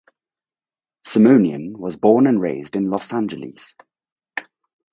Simonian was born and raised in Los Angeles.